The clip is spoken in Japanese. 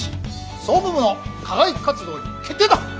総務部の課外活動に決定だ。